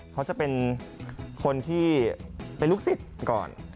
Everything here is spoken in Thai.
เขาจะเป็นคนที่เป็นลูกศิษย์ก่อน